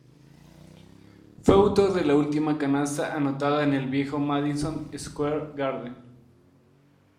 Fue el autor de la última canasta anotada en el viejo Madison Square Garden.